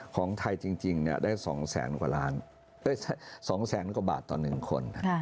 ของไทยจริงได้๒แสนกว่าบาทต่อ๑คน